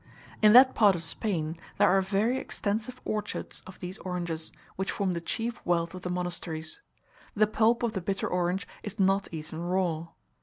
In that part of Spain there are very extensive orchards of these oranges, which form the chief wealth of the monasteries. The pulp of the bitter orange is not eaten raw.